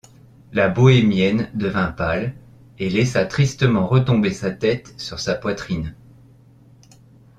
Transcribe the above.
La bohémienne devint pâle et laissa tristement retomber sa tête sur sa poitrine.